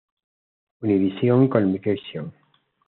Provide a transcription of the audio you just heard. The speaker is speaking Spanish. Univision Communication